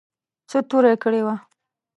څه توره کړې وه.